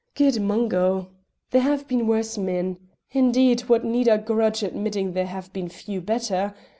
Good Mungo! There have been worse men; indeed what need I grudge admitting there have been few better?